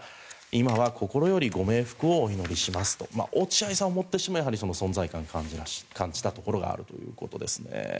今は心よりご冥福をお祈りしますと落合さんをもってしてもその存在感を感じたところがあったということです。